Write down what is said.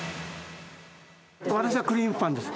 私はクリームパンです。